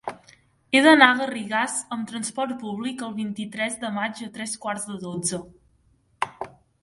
He d'anar a Garrigàs amb trasport públic el vint-i-tres de maig a tres quarts de dotze.